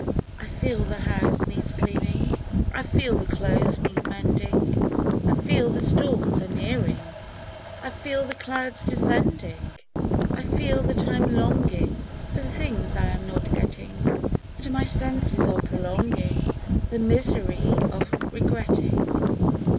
I feel the house needs cleaning, I feel the clothes need mending, I feel that storms are nearing, I feel the clouds descending. I feel that I am longing For the things I am not getting. And my senses are prolonging The misery of regretting.